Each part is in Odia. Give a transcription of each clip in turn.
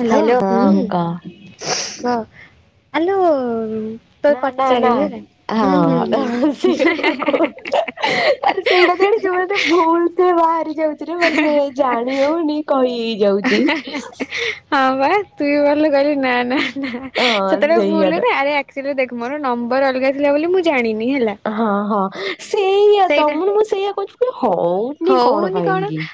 ହ୍ୟାଲୋ ହୁଁ କହ ଆଲୋ ତତେ ନା ନା ନା ପଚାରିବି ହେଲା। ହୁଁ ହୁଁ ହଁ ତ ହୁଁ ସେ ଆରେ ସେଇଟା ଜାଣିଚୁ ଗୋଟେ ଭୁଲ ବାହାରି ଯାଉଚିରେ ଭଲ ଜାଣି ହୋଉନି କହି ଯାଉଚି। ହଁ ବା ତୁ [unintelligible] ନା ନା ନା ହଁ ସେତେବେଳେ ସେଇଆ ଭୁଲେ ତ ନା ଆରେ ଥିଲେ ଦେଖ ମୋର ନମ୍ବର ଅଲଗା ଥିଲା ବୋଲି ମୁଁ ଜାଣିନି ହେଲା। ହଁ ହଁ ସେଇଆ ସେଇଟା ତମ ମୁଁ ସେଇଆ କୋହୁଚି ହୋଉନି କଣ ପାଇଁକି?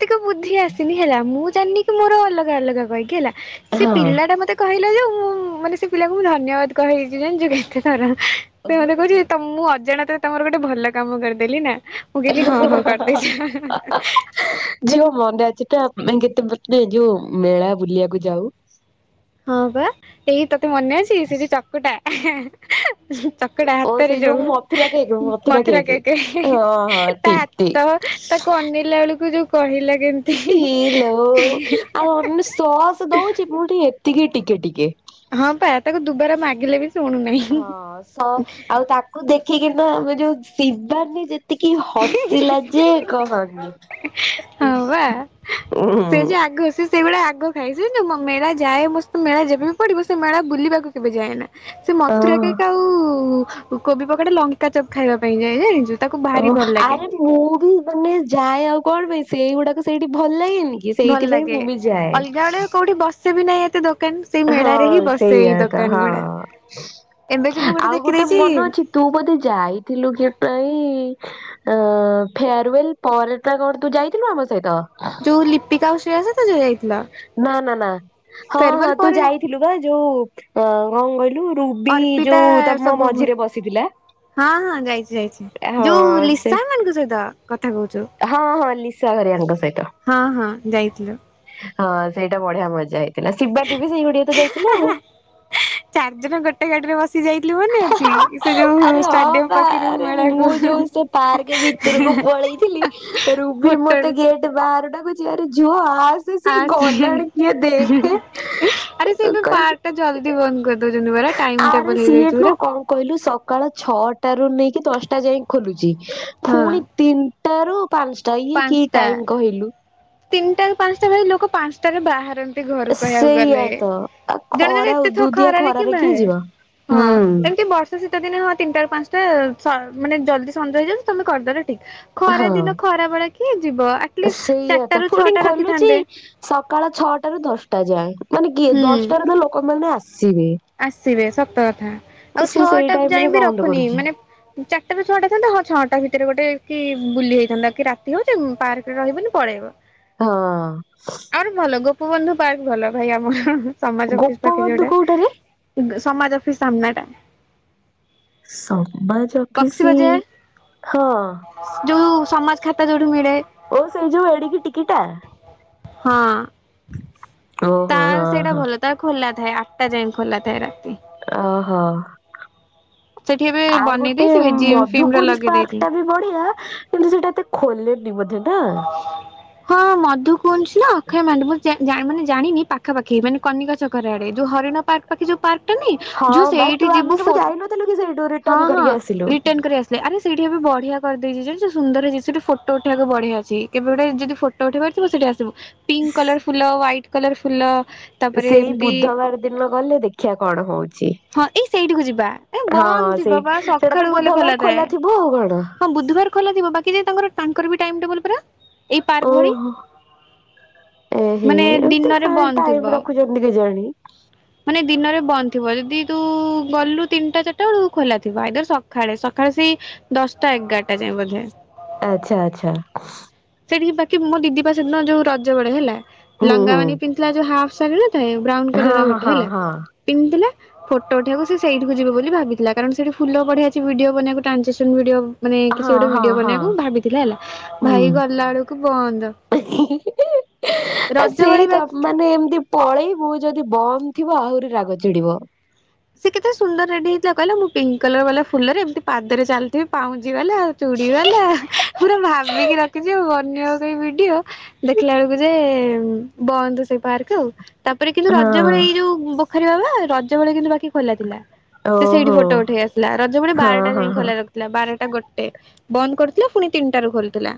ଟିକେ ବୁଦ୍ଧି ଆସିନି ହେଲା ମୁଁ ଜାଣିନି କି ମୋର ଅଲଗା ଅଲଗା ବାଇକି ହେଲା ସେ ହଁ। ପିଲାଟା ମତେ କହିଲା ଯେ ମୁଁ ମାନେ ସେ ପିଲାକୁ ମୁଁ ଧନ୍ୟବାଦ କହିଚି ଜାଣିଚୁ ଏକାଥର। ସେ ମତେ କୋହୁଚି ତ ମୁଁ ଅଜାଣତ ର ତମର ଗୋଟେ ଭଲ କାମ କରିଦେଲି। ମୁଁ କହିଲି ହଁ ହଁ କରିଦେଇଛ। ଯୋଉ ମନେ ଅଛି ତ ଆମେ କେତେ ଯୋଉ ମେଳା ବୁଲିଆକୁ ଯାଉ ହଁ ବା ଏଇ ତତେ ମନେ ଅଛି ସେ ଯୋଉ ଚକୁଟା ଚକଡା ଓ ହାତରେ ସେଇ ଯୋଉ ମଥୁରା କେକ୍ ମଥୁରା କେକ୍ ହଁ ହଁ ତା ଠିକ ଠିକ। ତ ତାକୁ ଅନେଇଲା ବେଳୁକୁ ଯୋଉ କହିଲା କେ ଇଲୋ ଆଉ ଅନୋ ସସ୍ ଦୋଉଚି ପୁଣି ଏତିକି ଟିକେ ଟିକେ ହଁ ବା ତାକୁ ଦୁବାର ମାଗିଲେ ବି ଶୁଣୁନାହିଁ ହଁ ସ ତା କୁ ଦେଖିକି ନା ଆମେ ଯୋଉ ଶିବାନୀ ଯେତିକି ହସିଲା ଯେ କହନି। ହଁ ବା ସେ ଯେ ଉଁ। ଆଗ ସେ ସେଇଭଳିଆ ଆଗ ଖାଏ ମୋ ମେଳା ଯାଏ ମୋ ସ ମେଳା ଯେବେ ବି ପଡିବ ସେ ମେଳା ବୁଲିବାକୁ କେବେ ଯାଏନା ସେ ମଥୁରା କେକ୍ ଆଉ କୋବି ପକେଟେ ଲଙ୍କା ଚପ ଖାଇବା ପାଇଁ ଯାଏ ଜାଣିଚୁ। ଓ ଆରେ ମୁଁ ବି ମାନେ ଯାଏ ଆଉ କଣ ପାଇଁ ସେଇଗୁଡାକ ସେଇଠି ଭଲ ଲାଗେନି କି ଭଲ ସେଇଥିପାଇଁ ଲାଗେ ମୁଁ ବି ଯାଏ ଅଲଗା ଆଡେ କୋଉଠି ବସେ ବି ନାଇଁ ଏତେ ଦୋକାନ ସେଇ ହଁ ମେଳାରେ ହିଁ ବସେ ସେଇଆ ଏଇ ତ ଦୋକାନ ହଁ। ଗୁଡା ଏବେ ଯେ ମୁଁ ଗୋଟେ ଆଉ ଦେଖିଦେଇଚି ମନେ ଅଛି ତୁ ବୋଧେ ଯାଇଥିଲୁ କେ ପାଇଁ ଅଁ ଫେୟାରୱେଲ ପରେ ଟା କଣ ତୁ ଯାଇଥିଲୁ ଆମ ସହିତ? ଯୋଉ ଲିପିକା ଆଉ ଶ୍ରୀୟା ସହିତ ଯୋଉ ଯାଇଥିଲ? ନା ନା ନା ହଁ ହଁ ଫେରୱାଲ ତୁ ପରେ ଯାଇଥିଲୁ ପା ଯୋଉ ଅ କଣ କହିଲୁ ରୁ ବି ଅର୍ପିତା ଯୋଉ ତମ ସବୁ ମଝିରେ ବସିଥିଲା। ହଁ ହଁ ଯାଇଚି ଯାଇଚି ଯୋଉ ହଁ ସେ ଲିସା ମାଙ୍କ ସହିତ କଥା କୋହୁଚୁ? ହଁ ହଁ ଲିସା ଘରିଆଙ୍କ ସହିତ। ହଁ ହଁ ଯାଇଥିଲୁ। ହଁ ସେଇଟା ବଢିଆ ମଜା ହେଇଥିଲା ଶିବାନି ବି ସେଇ ଗୁଡିଆ ତ ଯାଇଥିଲା ଆଉ। ଚାରିଜଣ ଗୋଟେ [unintelligible] ବସ ସି ଯାଇଥିଲୁ ମନେଅଛି ସେ ଯୋଉ ଆରେ ହଁ ଷ୍ଟାଡିୟମ ବା ପାଖୁରୁ ମେଳା ଭିତୁରକୁ ପଳେଇଥିଲି ରୁବି ହୋଟେଲ ମତେ ଗେଟ୍ ବାହାରେ ଡାକୁଚି ଆରେ ଝୁଅ ଆସେ ସିଏ ଗଲାଣି କିଏ ଦେଖେ କଣ କହିବି ଏ ଜଲଦି ବନ୍ଦ କରିଦଉଛନ୍ତି ପରା। ଟାଇମ ଆରେ ଟେବଲ ସିଏ ହେଇଯାଇଛି ଏଠୁ ପୁରା। କଣ କହିଲୁ ସ ସକାଳ ଛଅଟାରୁ ନେଇକି ଦଶଟା ଯାଇ ଖୋଲୁଛି ହଁ ପୁଣି ତିନିଟାରୁ ପାଞ୍ଚଟା ଇଏ କି ଟାଇମି କହିଲୁ। ତିନିଟାରୁ ପାଞ୍ଚଟା ଯାଏ ଲୋକ ପାଞ୍ଚଟାରେ ବାହାରନ୍ତି। ଏତେ ଘରୁ ଖାଇବାକୁ ସେଇଆ ଗଲେ ତ ଆ ଜଣେ ଜଣେ ଖରା ଏତେଥ ଉଦୁଉଦିଆ ଖରାରେ କିଏ ବାହାରେ। ଯିବ। ହଁ ହୁଁ। ଏମିତି ବର୍ଷ ଶୀତ ଦିନେ ହଁ ତିନିଟାାରୁ ପାଞ୍ଚଟା ସ ମାନେ ଜଲ୍ଦୀ ସଞ୍ଜ ହେଇଯାଉଛି ତମେ କରିଦେଲେ ଠିକ ଖରା ହଁ ଦିନ ଖରା ବଳେ କିଏ ଯିବ। ଆଟଲିଷ୍ଟ ସେଇଆ ଚାରିଟା ତ ରୁ ପୁଣି ଛଅଟା ଖୋଲୁଛି ରଖିଥାନ୍ତେ। ସକାଳ ଛଅଟ ରୁ ଦଶଟା ଯାଏଁ ମାନେ କିଏ ହୁଁ ଦଶଟାରେ ତ ଲୋକମାନୋନ ଆସିବେ। ଆସିବେ ସତ କଥା ଆଉ ସେ ସେଇ ଛଅଟା ଟାଇମ ଯାଇ ରେ ବି ବନ୍ଦ ରଖୁନି କରୁଛି ମାନେ ଚାରିଟାାରୁୁ ଛଅଟା ଥାନ୍ତା ହଁ ଛଅଟା ଭିତରେ ଗୋଟେ କି ବୁଲି ହେଇଥାନ୍ତା କି ରାତି ହୋଇଚି ପାର୍କ ରେ ରହିବନି ପଳେଇବେ। ହଁ ଆଉ ଗୋଟେ ଭଲ ଗୋପବନ୍ଧୁ ପାର୍କ ଭଲ ଭାଇ ଆମର ସମାଜ ଅଫିସ୍ ଟା ଗୋପବନ୍ଧୁ କୁଆଡେ କୋଉଟାରେ ଗ ସମାଜ ଅଫିସ ସାମ୍ନାଟା। ସମାଜ ବକ୍ସି ଅଫିସ୍ ବଜାର ହଁ। ଯୋଉ ସମାଜ ଖାତା ଯୋଉଠୁ ମିଳେ। ଓ ସେଇ ଯୋଉ ଏଡିକି ଟିକିଟା? ହଁ ଓହୋ ତାର ହଁ ସେଇଟା ହଁ। ଭଲ ତାର ଖୋଲା ଥାଏ ଆଠଟା ଯାଏ। ଖୁଲା ଥାଏ ରାତି। ଓହୋ। ସେଠି ଏବେ ଆଉ ବନେଇ ଗୋଟେ ଦେଇଛି ବେ ଜିମ୍ ଫିମ୍ ର ମଧୁକୁଞଜ ଲଗେଇ ପାର୍କ ଦେଇଛି ଟା ବି ବଢିଆ। କିନ୍ତୁ ସେଇଟା ଏତେ ଖୋଲେନି ମଧ୍ୟ। ହଁ ମଧୁ କୁଞ୍ଜ୍ ନା ଅକ୍ଷୟ ମାନ୍ତି ମୁ ଜାଣିନି ଜାଣିନି ପାଖ ପାଖି ମାନେ କନିକା ଛକର ଆଡେ ଯୋଉ ହରିଣ ପାର୍କ ପାଖେ ଯୋଉ ପାର୍କ ଟୁନି ହଁ ଯୋ ବା ସେଇଠି ତୁ ଆମେ ଯିବୁ ସବୁ ପଟ୍ ଯାଇନଥିଲୁ କି ସେଇଠୁ ହଁ ରିଟର୍ଣ ହଁ କରିକି ଆସିଲୁ। ରିଟର୍ନ ଆରେ ସେଇଠି ଏବେ ବଢିଆ କରିଦେଇଛି ଯେଉ ସୁନ୍ଦର ଦିନିଷଟେ ସେଠି ଫଟୋ ଉଠେଇବାକୁ ବଢିଆ ଅଛି। ଚି କେବେ ଗୋଟେ ଯଦି ଫଟୋ ଉଠେଇ ବରଥିବ ସେଠିକୁ ଆଶିବୁ ପିଙ୍କ୍ କ୍ଲର ଫୁଲ ହ୍ୱାଇଟିକ୍ଲର ଫୁଲ ତାପରେ ସେଇ ଏମିତି ବୁଧବାର ଦିନ ଗଲେ ଦେଖିଆ କଣ ହଉଚି। ହଁ ଏଇ ସେଇଠିକୁ ଯିବା ଏ ବନ୍ଦ ଯିବ ସେଇଠି ବା ସେଇଟା ତ ସକାଳୁ ଗଲେ ବୁଧବାର ଖୋଲା ଥାଏ ଥିବ ଆଉ କଣ? ହଁ ବୁଧବାର ଖଲାଥିବ ବାକି ତାଙ୍କର ତାଙ୍କରବି ଟାଇମ୍ ଟେବୁଲ୍ ପରା ଏଇ ପାର୍କ ଭଳି ଓହୋ ଏ ହେ ମାନେ ଏତେ ଦିନରେ କାଇଁ ବନ୍ଦ ଥିବ। ଟାଇମି ରଖୁଛନ୍ତି କେ ଜାଣି। ମାନେ ଦିନରେ ବନ୍ଦ ଥିବ ଯଦି ତୁ ଗଲୁ ତିନିଟା ଚାରିଟା ବେଳକୁ ଖୋଲା ଥିବ ଆଇଦର ସକାଳେ ସକାଳେ ସେଇ ଦଶଟା ଏଗାରଟା ଯାଇଏ ବୋଧେ ଆଛା ଆଛା। ସେଠିକି ବାକି ମୋ ଦିଦି ପା ସେଦିନ ଯୋଉ ରଜ ବେଳେ ହେଲା ହୁଁ ଲଙ୍ଗା ହୁଁ ମାନ ପିନ୍ଧଥିଲା ଯୋଉ ହାପ୍ ସା ଥାଏ ବ୍ରାଉନ କଲର୍ ହଁ ହଁ ଗୋଟେ ହଁ ହେଲା ହଁ ପିନ୍ଧିଥିଲା ଫଟୋ ଉଠିବାକୁ ସେଇଠିକୁ ଯିବ ବୋଲି ଭାବିଥିଲା କାରଣ ସେଇଠି ଫୁଲ ପଢିଆ ଅଛି ଡିଓ ବନେଇବାକୁ ଟ୍ରାଞ୍ଜେକ୍ସନ୍ ଭିଡିଓ। ମାନେ କିଛି ହଁ ଗୋଟେ ହଁ ଭିଡିଓ ହଁ ବନେଇବାକୁ ଭାବିଥିଲି ହେଲା ହୁଁ। ଭାଇ ଗଲା ବେଳକୁ ବନ୍ଦ। ଆ ରଜ ବେଳେ ସେଇ ତ ବାକି ମାନେ ଏମିତି ପଳେଇବୁ ଯଦି ବନ୍ଦ ଥିବ ଆହୁରି ରାଗ ଚିଡିବ। ସେ କେତେ ସୁନ୍ଦର ରେଡି ହେଇଥିଲା କହିଲା ମୁଁ ପିଙ୍କ୍ କଲର୍ ବାଲା ଫୁଲରେ ଏମତି ପାଦରେ ଚାଲିଥି ପାଉଁଜି ବାଲା ଆଉ ଚୁଡି ବାଲା ପୁର ଭାବିକି ରଖିଛି ଆଉ ବନିବ କାହିଁ ଭିଡିଓ। ଦେଖିଲା ବେଳକୁ ଯେ ବନ୍ତୁ ସେଇ ପାର୍କ ଆଉ ତାପରେ କିନ୍ତୁ ହଁ ରଜ ବଳେ ଏଇ ଯୋଉ ବଖାରୀ ବାବା ରଜ ବେଳେ କିନ୍ତୁ ବାକି ଖୋଲା ଥିଲା ସେଇଠି ଓହୋ ଫଟୋ ଉଠେଇବର ଥିଲା ରଜ ବେଳେ ହଁ ବାରଟା ହଁ ଯାଇଁ ହଁ ଖୋଲା ଥି ବାରଟା ଗୋଟେ ବନ୍ଦ କରିୁଥିଲା ପୁଣି ତିନିଟାରୁ ଖୋଲୁଥିଲା।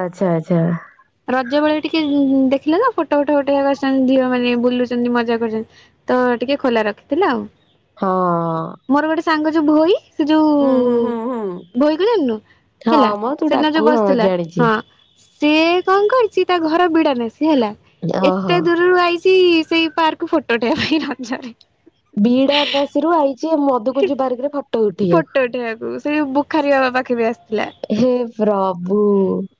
ଆଛା ଆଛା। ରଜ ବେଳେ ଟିକେ ଉଁ ଦେଖିଲେ ତ ଫଟୋ ଫଟ ଉଠେଇବାକୁ ଆସୁଛନ୍ତି ଝିଅ ମନେ ବୁଲୁଚନ୍ତି ମଜା କରୁଛନ୍ତି। ତ ଟିକେ ଖୋଲା ରଖିଥିଲା ଆଉ। ହଁ। ମୋର ଗୋଟେ ସାଙ୍ଗ ଯୋଉ ଭୋଇ ସେ ହୁଁ ହୁଁ ଯୋଉ ହୁଁ ହୁଁ। ଭୋଇକୁ ଯାଣିନୁ ହେଲା ହଁ ମ ତୁ ସେଦିନ ଯୋଉ ଡାକୁ ହଁ ବସିଥିଲା ଜାଣିଛି ହଁ ସିଏ କଣ କରିଚି ତା ଘର ବିଡା ନାସି ହେଲା ଓହୋ। ଏତେ ଦୂରରୁ ଆଇଛି ସେଇ ପାକର୍କୁ ଫୋଟୋ ଉଠେଇବା ପାଇଁ ରଜରେ ବିଡାନାସିିରୁ ଆଇଚି ମତେ କହୁଚି ପାର୍କରେ ଫଟ ଫଟୋ ଉଠେଇବାକୁ ସେଯୋଉ ବୁଖାରୀ ବାବା ପାଖେ ବି ଆସିଥିଲା। ହେ ପ୍ରଭୁ।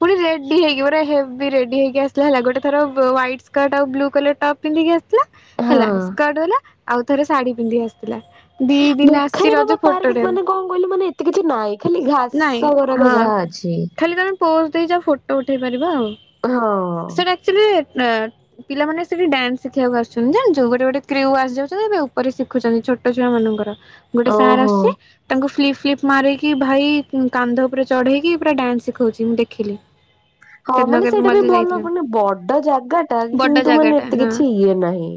ପୁଣି ରେଡି ହେଇକି ଗୋଟେ ହେବି ରେଡି ହେଇକି ଆସିଥିଲା ହେଲା ଗୋଟେ ଥର ହ୍ୱାଇଟ ସ୍କଟ ଆଉ ବ୍ଲୁ କଲର ଟପ୍ ପିନ୍ଧିକି ଆସିଥିଲା ହଁ ହେଲା ସ୍କର୍ଟ ବାଲା ଆଉ ଥରେ ଶାଢୀ ପିନ୍ଧିକି ଆସିଥିଲା। ଦି ଦିନ ଆସିଛି ମୁଖାରୀ ବାବା ରଜକୁ। ପାର୍କ ପ୍ ମାନେ କଣ କହିଲୁ ମାନେ ଏତେ କିଛି ନହିଁ ଖାଲି ଘାସ ଗୁରାକ ଯାହା ଅଛି। ହେଲେ ତମେ ପୋଜ ଦେଇଯା ଫଟୋ ଉଠେଇ ପାରିବ ଆଉ। ହଁ ହଁ ସେ ଟିକେ [unintelligible] ପିଲାମାନେ ସେଠି ଡାନ୍ସ ଶିଖିବାକୁ ଆସୁଛନ୍ତି ଜାଣିଚୁ ଗୋଟେ ଗୋଟେ୍ କ୍ରିୟୁ ଆସିଯାଉଛନ୍ତି ଏବେ ଉପରେ ଶିଖୁଛନ୍ତି ଛୋଟ୍ ଛୋଟ ଛୁଆ ମାନଙ୍କର ଗୋଟେ ସାର୍ ଓହୋ। ଆସୁ ତାଙ୍କୁ ଫ୍ଲିପ ଫ୍ଲିପ ମାରିକି ଭାଇ କାନ୍ଧ ଉପରେ ଚଢେଇକି ପୁରା ଡ୍ୟାନ୍ସ ଶିଖୋଉଛି ମୁଁ ଦେଖିଲି। ହଁ ସେଦିନ ମାନେ କେବେ ସେଇଟା ବି ମଝିରେ ଭଲ ଯାଇଥିଲା ମାନେ ବଡ ଜାଗା ଟା ବଡ କିନ୍ତୁ ଜାଗା ମାନେ ଟା ଏତେ ହଁ କିଛି ଇଏ ନାହିଁ।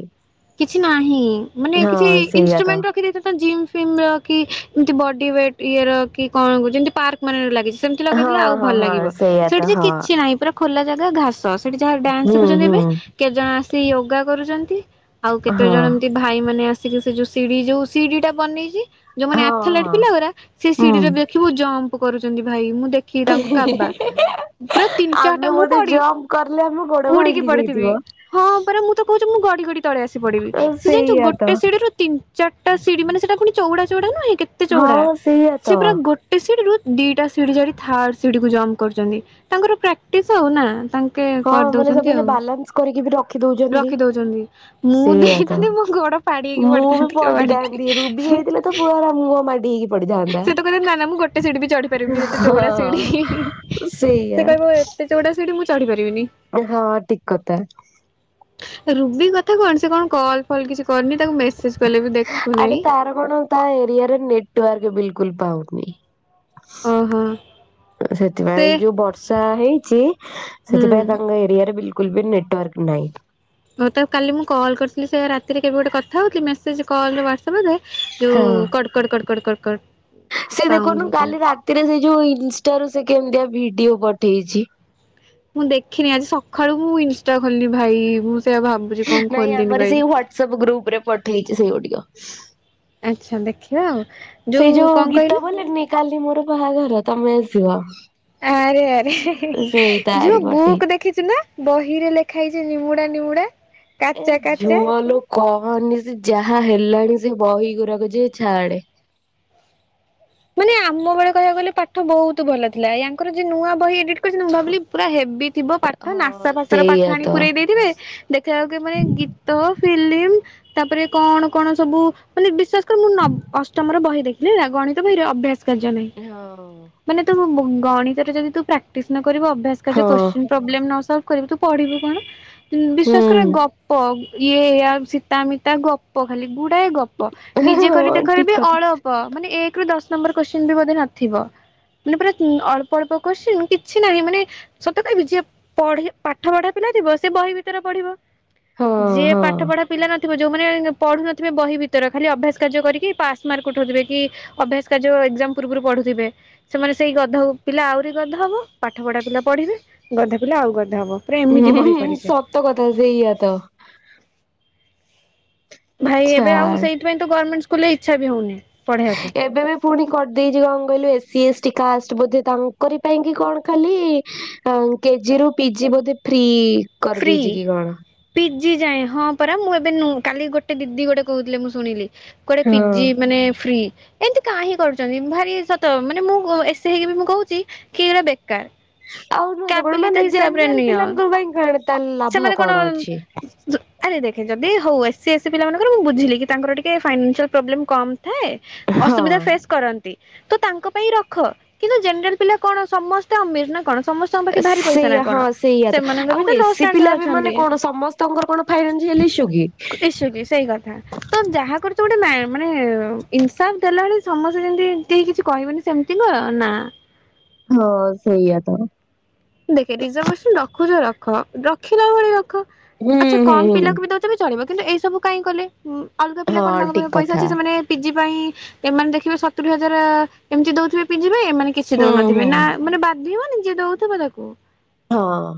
କିଛି ନାହିଁ ମାନେ କିଛି ହଁ ସେଇଆ ତ ଇନଷ୍ଟ୍ରୁମେଣ୍ଟ ରଖିଦେଇଥାନ୍ତ ଜିମ୍ [unintelligible] କି ଏମତି ବଡି ୱେଟ୍ ଇଏ ର କି କଣ ଗୋଟ ଯେମିତି ପାର୍କ ଭଲଲ୍ ଲାଗେ ସେମିତି ହଁ ଲଗେଇଦେଲେ ଆଉ ହଁ ଭଲ ହଁ ଲାଗିବ ସେଇଆ ସେଠି ତ ଯେ ହଁ କିଛି ନାହିଁ ପୁରା ଖୋଲା ଜାଗା ଘାସ ସେଠି ଯାହା ଡ୍ୟାନ୍ସ ହୁଁ ଶିଖୁଛନ୍ତି ହୁଁ। ଏବେ କେତେ ଜଣ ଆସିି ୟୋଗା କରୁଚନ୍ତି ଆଉ କେତେ ହଁ ଜଣ ଏମତି ଭାଇ ମାନେ ଆସିକି ସେ ଯୋଉ ସିଡି ଯୋଉ ସିଡି ଟା ବନେଇଛି ଯୋଉମାନେ ହଁ ଆଥଲେଟ୍ ହଁ ପିଲା ଉରା ସେ ହୁଁ। ସିିଡିରେ ଦେଖିବୁ ଜମ୍ପ କରୁଛନ୍ତି ଭାଇ ମୁଁ ଦେଖ କି ଟଙ୍କା ବା ପୁରା ତିନି ଚାରିଟା ଆମେ ମୁଁ ବୋଧେ ପଡି ଜମ୍ପ କରିଲେ ଆମ ଗୋଡ ଉଡିକି ଭାଙ୍ଗି ପଡିଥିବି। ଯାଇଥିବ ହଁ ପରା ମୁଁ ତ କହୁଚି ମୁଁ ଗଡି ଗଡି ତଳେ ଆସି ପଡିବି ସିଏ ଜାଣିଚୁ ସେଇଆ ତ। ଗୋଟେ ସିଡରୁ ତିନ୍ ଚାରିଟା ସିଢି ମାନେ ସେଟା ପୁଣି ଚଉଡା ଚଉଡା ନହେଁ କେତେ ଚଉଡା ହଁ ସେଇଆ ତ ସେ ପୁରା ଗୋଟ୍ ଗୋଟେ ସିଢି ରୁ ଦିଟା ସିଢି ଯାଇ ଥାର୍ଡ ସିଢିକୁ ଜମ୍ପ କରୁଚନ୍ତି ତାଙ୍କର ପ୍ରାକ୍ଟିସ୍ ଆଉ ନା ତାଙ୍କ କେ ହଁ ମାନେ କରିଦେଉଛନ୍ତି ସେମାନେ ଆଉ ବାଲାନ୍ସ କରିକି ବି ରଖି ଦଉଛନ୍ତି। ରଖି ଦଉଚନ୍ତି ମୁଁ ସେଇଆ ତ ଦେଇଥାନ୍ତି ମୋ ଗୋଡ ଫାଡି ହେଇକି ପଡିିଥାନ୍ତି କୋଉ ଆଡେ। ଦି ରୁବି ହେଇଥିଲେ ତ ପୁଅରା ମୁହଁ ମାଡି ହେଇକି ପଡିଥାନ୍ତା। ସେ ତ କହିଲା ନା ନା ମୁଁ ଗୋଟେ ସିଢି ବି ଚଢି ପାରିବିନି ଯେତେ ଚଉଡା ସିଢି ହଁ ସେଇଆ ସେ କହିବ ଏତେ ଚଉଡ଼ା ସିଢି ମୁଁ ଚଢି ପାରିବିନି। ହଁ ଟିକ କଥା। ରୁବି କଥା କଣ ସେ କଣ କଲ୍ ଫଲ୍ କିଛି କରୁନି ତାକୁ ମେସେଜ କଲେ ବି ଆରେ ଦେଖୁନାହିଁ। ତାର କଣ ତା ଏରିଆରେ ନେଟୱାର୍କ ବିଲକୁଲ ପାଉନି। ଓହୋ ସେ ସେଥିପାଇଁ ଯୋଉ ବର୍ଷା ହେଇଚି ସେଥିପାଇଁ ହୁଁ। ତାଙ୍କ ଏରିଆରେ ବିଲକୁଲ ବି ନେଟୱାର୍କ ନାହିଁ। ହଉ ତାକୁ କାଲି ମୁଁ କଲ୍ କରିଥିଲି ସେ ରାତିରେ କେବେ ଗୋଟେ କଥାହଉଥିଲି ମେସେଜ୍ କଲ୍ ହ୍ୱାଟସପ୍ [unintelligible] ଯୋଉ ହଁ କଡ଼, କଡ଼, କଡ଼, କଡ଼, କଡ, କଡ ସେ ସାଉଣ୍ଡ ଦେଖୁନୁ ହଉଥିଲା। କାଲି ରାତିରେ ସେ ଯୋଉ ଇନଷ୍ଟା ରୁ ସେ କେମିତିଆ ଭିଡିଓ ପଠେଇଛି। ମୁଁ ଦେଖିନି ଆଜି ସଖାଳୁ ମୁଁ ଇନଷ୍ଟା ଖୋଲିନି ଭାଇ ମୁଁ ସେଇଆ ଭାବୁ ନାଇଁ ଆମର ସେଇ ହ୍ଵାଟସଆପ୍ ଗ୍ରୁପ ରେ ପଠେଇଛି ସେଇ ଗୋଟିକ ଆଚ୍ଛା ଦେଖିବା ଆଉ ସେଇ ଯୋଉ କଣ୍ ଗୀତ କହିଲୁ? ବୋଲେନି କାଲି ମୋର ବାହାଘର ତମେ ଆସିବ। ଆରେ ଆରେ ସେଇ ତାରି ଝୋଉ ପଠେଇଛି ବୁକ ଦେଖ ଦେଖିଛୁ ନା ବହିରେ ଲେଖା ହେଇଛି ନିମୁଡ଼ା ନିମୁଡ଼ା। ଏ ଝୁଅ ଲୋ କହନି ସେ ଯାହା ହେଲାଣି ସେ ବହି ଗୁଡାକ ଯେ ଛାଡେ। ମାନେ ଆମ ବେଳେ କହିବାକୁ ଗଲେ ପାଠ ବହୁତ ଭଲ ଥିଲା ୟାଙ୍କର ଯୋ ନୂଆ ବହି ଏଡି ମୁଁ ଭାବିଲି ପୁରା ହେବିଥିବ ପାଠ ନାସା ହଁ ଫାସ ର ପାଠ ସେଇଆ ଆଣି ତ। ପୁରାଇ ଦେଇଥିବେ। ଦେଖିଲା ବେଳକୁ ଏମାନେ ଗୀତ ଫିଲ୍ମ ତାପରେ କଣ କଣ ସବୁ ମାନେ ବିଶ୍ୱାସ ମୁଁ ନ ଅଷ୍ଟମ ର ବହି ଦେଖିଲି ଗଣିତ ବହିରେ ଅଭ୍ୟାସ କାର୍ଯ୍ୟ ନାହିଁ। ହଁ। ମାନେ ତୁ ଗଣିତରେ ଯଦି ତୁ ପ୍ରାକ୍ଟିସ୍ ନ କରିବୁ ଅଭ୍ୟାସ କାର୍ଯ୍ୟ ହଁ କୋସିନ୍ ପ୍ରୋବଲେମ ନ ସଲବ୍ କରିବୁ ତୁ ପଢିବୁ କଣ ହୁଁ ବିଶ୍ୱାସ କରେ ଗ ଗପ ଇଏ ଆ ସୀତାମିତା ଗପ ଖାଲି ଗୁଡାଏ ଗପ। ନିଜେ କରି ହଁ ଦେଖରେ ଠିକ ବି କଥା ଅଳପ ମାନେ ଏକ ରୁ ଦଶ ନମ୍ବର କୋଶ୍ଚିନ ବି ବୋଧେ ନଥିବ। ମାନେ ପୁରା ଅଳ୍ପ ଅଳ୍ପ କୋଶ୍ଚିନ୍‌ କିଛି ନାହିଁ ମାନେ ସତ କହିବି ଯିଏ ପଢ଼େ ପାଠ ପଢା ପିଲା ଥିବ ସେ ବହି ଭିତରେ ପଢିବ। ହଁ ଯିଏ ହଁ। ପାଠ ପଢା ପିଲା ନଥିବ ଯେଉଁମାନେ ପଢ଼ୁନଥିବେ ବହି ଭିତର ଖାଲି ଅଭ୍ୟାସ କାର୍ଯ୍ୟ କରିକି ପାସ୍ ମାର୍କ ଉଠଉଥିବେ କି ଅଭ୍ୟାସ କାର୍ଯ୍ୟ ଏଗ୍ଜାମ୍ ପୂର୍ବରୁ ପଢୁଥିବେ। ସେମାନେ ସେଇ ଗଧ ପିଲା ଆହୁରି ଗଧ ହବ ପାଠ ପଢ଼ା ପିଲା ପଢ଼ିବେ ଗଧ ପିଲା ଆଉ ଗଧ ହବ। ପୁରା ଏମିତି ହୁଁ ବହି କରିଚେ। ସତ କଥା ସେଇଆ ତ। ଭାଇ ଏବେ ଆଉ ଛାଡ ସେଇଥି ପାଇଁ ତ ଗର୍ଣ୍ଣମେଣ୍ଟ ସ୍କୁଲରେ ଇଚ୍ଛା ବି ହଉନି ପଢ଼େଇ ବାକୁ। ଏବେ ବି ପୁଣି କରିଦେଇଛି କଣ କହିଲୁ ଏସ୍ ସି ଏସ୍ଟି କାଷ୍ଟ ବୋଧେ ତାଙ୍କରି ପାଇଁ କି କଣ ଖାଲି ଆଉ କେଜି ରୁ ପିଜି ବୋଧେ ଫ୍ରି ଫ୍ରି କରିଦେଇଛି କି କଣ? ପିଜି ଯାଏଁ ହଁ ପରା ମୁଁ ଏବେ ନୁହଁ କାଲି ଗୋଟେ ଦିଦି ଗୋଟେ କହୁଥିଲେ ମୁଁ ଶୁଣିଲି। କୁଆଡେ ହଁ। ପିଜି ମାନେ ଫ୍ରି। ଏମିତି କା ହିଁ କରୁଛନ୍ତି ଭାରି ସତ ମାନେ ମୁଁ ଏସି ହେଇକି ବି ମୁଁ କହୁଛି କି ଏ ବେକାର। ଆଉ ନୁହେଁ ତ କଣ ମାନେ କାବିଲିତ ହିସାବରେ ଜେନେରାଲ ନିଅ। [unintelligible] କଣ ତା ସେମାନେ କଣ ଆରେ ଦେଖେ ଯଦି ହଉ ଏସ୍ ସି ଏସ୍ ସି ପିଲାମାନଙ୍କର ମୁଁ ବୁଝିଲି କି ତାଙ୍କର ଟିକେ ଫାଇନାନ୍‌ ସିଆଲ୍‌ ପ୍ରୋବ୍ଲେ କମ୍ ଥାଏ ହଁ। ଅସୁବିଧା ଫେସ୍ କର ତ ତାଙ୍କ ପାଇଁ ରଖ କିନ୍ତୁ ଜେନେରାଲ ପିଲା କଣ ସମସ୍ତେ ଅମିର ନା କଣ ସମସ୍ତେ ତମ ପାଖରେ ଭାରି ପଇସା ନା ସେଇଆ କଣ ହଁ ସେଇଆ ସେମାନଙ୍କ ବି ଆଉ ତ ଲୋସ୍‌ ଏସି ପିଲା ବି ମାନେ ଅଛନ୍ତି କଣ ସମସ୍ତଙ୍କର କଣ ଫାଇନାନ୍ସିଆଲ ଇସ୍ୟୁ କି? ଇସୁ କି ସେଇ କଥା ତ ଯାହା କରୁଛ ଗୋଟେ ମା -ମାନେ ଇନ୍‌ସାପ ଦେଲାବେଳେ ସମସ୍ତେ ଯେମିତି କେହି କିଛି କହିବେନି। ସେମିତି ନୁହ ନା ହଁ ସେଇଆ ତ। ଦେଖେ ରିଜର୍ଭେସନ ରଖୁଛ ରଖ ରଖିଲା ଭଳି ରଖ। ହୁଁ ଆଚ୍ଛା ହୁଁ କମ୍ ହୁଁ ପିଲାକୁ ବି ଦେଉଛନ୍ତି ଚଳିବ କିନ୍ତୁ ଏଇ ସବୁ କାଇଁ କଲେ। ଅଲଗା ପିଲା କଣ ହଁ ତାଙ୍କ ଠିକ ପାଖରେ ପଇସା କଥା। ଅଛି ସେମାନେ ପିଜିି ପାଇଁ ଏମାନେ ଦେଖିବେ ସତୁରି ହଜାର ଏମିତି ଦଉଥିବେ ପିିଜି ପାଇଁ ଏମାନେ କିଛି ସେ ହୁଁ ହୁଁ। ଦଉନଥିବେ ନା ମାନେ ବାଧି ବନି ଯିଏ ଦଉଥିବ ତାକୁ। ହଁ।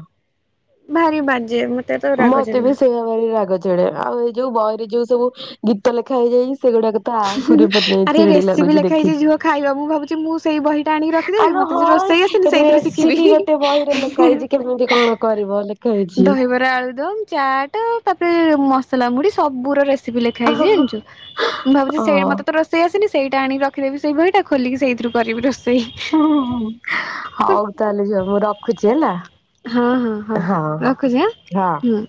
ଭାରି ବାଜେ ତ ରାଗ ମତେ ଚିଡିଲା। ବି ସେଇଆ ଭାବି ରାଗ ଚିଡ଼େ ଆଉ ଏ ଯୋଉ ବହିରେ ଯୋଉ ସବୁ ଗୀତ ଲେଖା ହେଇଯାଇଛି ସେଗୁଡାକ ତ ଆହୁରି ମାନେ ଆରେ ଚିଡି ରେସିପି ଲାଗୁଛି ଲେଖା ହେଇଛି ଦେଖିକି। ଯିବ ଖାଇବ ମୁଁ ଭାବୁଛି ମୁଁ ସେଇ ବହିଟା ଆଣିକି ର ଆଲୋ ହଁ ରେସିପି ଗୋଟେ ବହିରେ ଲେଖା ହେଇଛି କେମିତି କଣ କରିବ। ଲେଖା ହେଇଛି। ଦହିବରା ଆଳୁଦମ ଚାଟ ତାପରେ ମସଲା ମୁୁଡି ସବୁରରେସି ରେସିପି ଲେଖା ଅ। ହେଇଛି ଜାଣିଛୁ ମୁଁ ଭାବୁଛି ସେଇ ମତେ ତ ରୋ ସେ ଆସନି ସେଇଟା ଆଣିକି ରଖିଦେବି ସେଇ ବହିଟା ଖୋଲିକି ସେଇଥିରୁ କରିବି ରୋଷେଇ। ହୁଁ ହୁଁ ହଉ ତାହେଲେ ଝୁଅ ମୁଁ ରଖୁଛି ହେଲା। ହଁ ହଁ ହଉ ରଖୁଛି ହଁ। ହାଁ ହୁଁ।